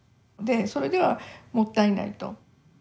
でそれではもったいないと。